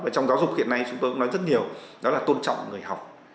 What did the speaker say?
trong giáo dục hiện nay chúng tôi cũng nói rất nhiều đó là tôn trọng người học